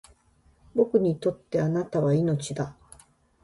僕にとって貴方は命だ